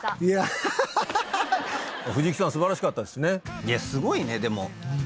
いやすごいねでも。